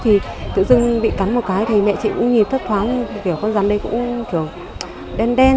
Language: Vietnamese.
thì tự dưng bị cắn một cái thì mẹ chị cũng nhịp thất thoáng kiểu con rắn đấy cũng kiểu đen đen